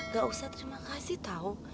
gak usah terima kasih tau